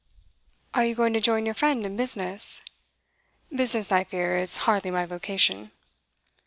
'Are you going to join your friend in business?' 'Business, I fear, is hardly my vocation.